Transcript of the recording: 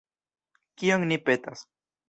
Kion ni petas.